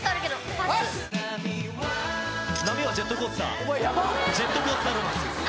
波は波はジェットコースター「ジェットコースター・ロマンス」